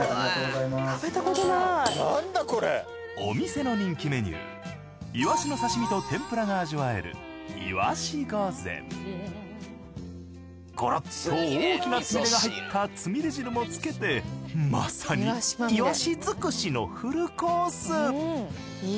お店の人気メニューいわしの刺身と天ぷらが味わえるゴロッと大きなつみれが入ったつみれ汁も付けてまさにいわし尽くしのフルコース。